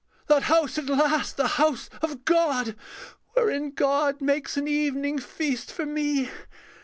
the house at last, the house of God, Wherein God makes an evening feast for me.